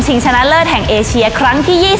ชนะเลิศแห่งเอเชียครั้งที่๒๐